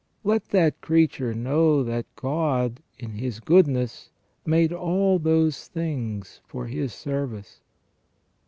Let that creature know that God in His goodness made all those things for his service.